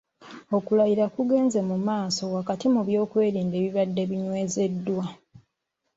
Okulayira kugenze mu maaso wakati mu by’okwerinda ebibadde binywezeddwa.